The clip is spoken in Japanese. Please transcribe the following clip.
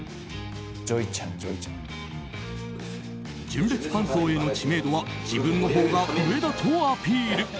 純烈ファン層への知名度は自分のほうが上だとアピール。